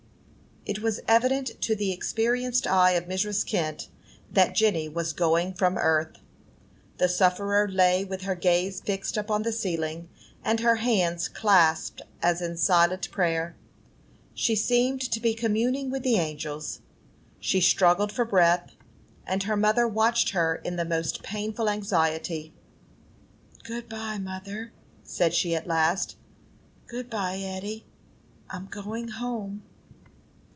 It was evident to the experienced eye of Mrs. Kent that Jenny was going from earth. The sufferer lay with her gaze fixed upon the ceiling, and her hands clasped, as in silent prayer. She seemed to be communing with the angels. She struggled for breath, and her mother watched her in the most painful anxiety. "Good by, mother," said she, at last. "Good by, Eddy: I'm going home."